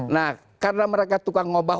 nah karena mereka tukang obah